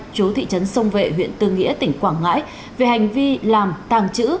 chú thị trấn sông vệ huyện tư nghĩa tỉnh quảng ngãi về hành vi làm tàng trữ